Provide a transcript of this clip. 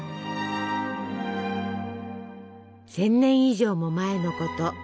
１，０００年以上も前のこと。